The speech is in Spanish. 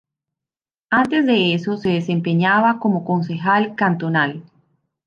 Antes de eso se desempeñaba como concejal cantonal.